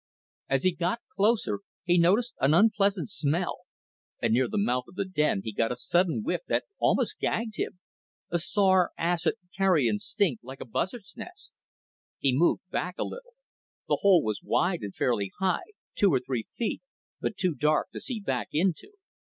As he got closer, he noticed an unpleasant smell, and near the mouth of the den he got a sudden whiff that almost gagged him a sour, acid, carrion stink like a buzzard's nest. He moved back a little. The hole was wide and fairly high, two or three feet, but too dark to see back into.